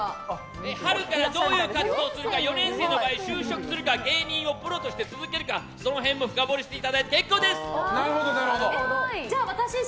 春からどういう活動をするのか４年生の場合、就職するか芸人をプロとして続けるかその辺も深掘りしていただいて結構です。